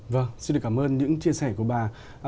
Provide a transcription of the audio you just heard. vâng xin được cảm ơn những chia sẻ của bà